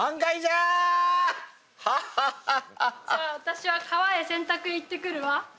じゃあ私は川へ洗濯に行ってくるわ。